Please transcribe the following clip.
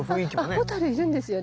あっホタルいるんですよね。